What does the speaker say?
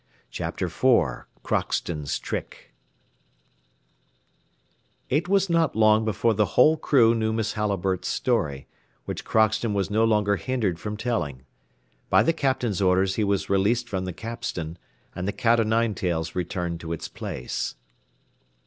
Chapter IV CROCKSTON'S TRICK It was not long before the whole crew knew Miss Halliburtt's story, which Crockston was no longer hindered from telling. By the Captain's orders he was released from the capstan, and the cat o' nine tails returned to its Place.